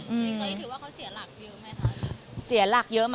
เคยถือว่าเขาเสียหลักเยอะไหมคะ